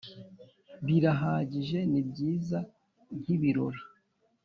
birahagije nibyiza nkibirori